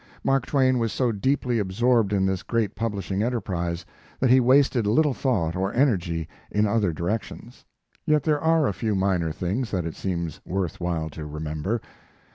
Mark Twain was so deeply absorbed in this great publishing enterprise that he wasted little thought or energy in other directions. Yet there are a few minor things that it seems worth while to remember.